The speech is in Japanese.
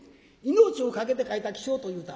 『命を懸けて書いた起請』と言うた。